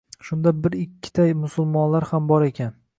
Shunda bir-ikkita musulmonlar ham bor ekan.